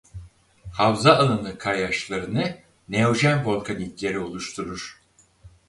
Havza alanı kayaçlarını Neojen volkanitleri oluşturur.